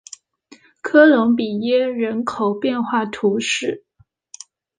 科隆比耶人口变化图示